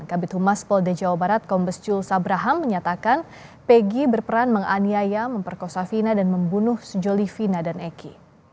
kabupaten humas polde jawa barat kombescul sabraham menyatakan peggy berperan menganiaya memperkosa vina dan membunuh sejoli vina dan eki